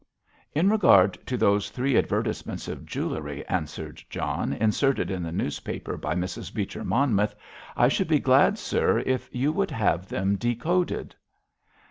"In regard to those three advertisements of jewellery," answered John, "inserted in the newspaper by Mrs. Beecher Monmouth, I should be glad, sir, if you would have them decoded."